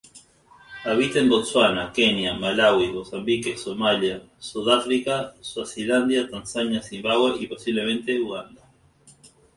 Habita en Botsuana, Kenia, Malaui, Mozambique, Somalia, Sudáfrica, Suazilandia, Tanzania, Zimbabue y posiblemente Uganda.